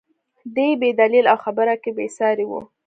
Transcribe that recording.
دى په دليل او خبرو کښې بې سارى و.